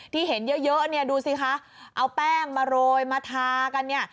ที่เห็นเยอะเนี่ยดูสิคะเอาแป้งมาโรยมาทากันเนี่ย